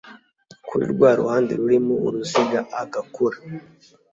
kuri rwa ruhande rurimo uruziga agakora